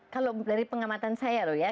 kalau dari pengamatan saya loh ya